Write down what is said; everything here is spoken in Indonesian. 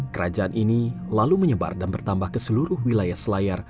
kerajaan ini lalu menyebar dan bertambah ke seluruh wilayah selayar